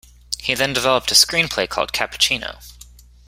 He then developed a screenplay called "Cappuccino".